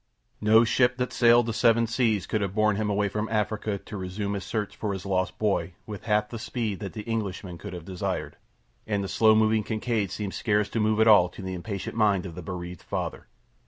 No ship that sailed the seven seas could have borne him away from Africa to resume his search for his lost boy with half the speed that the Englishman would have desired, and the slow moving Kincaid seemed scarce to move at all to the impatient mind of the bereaved father.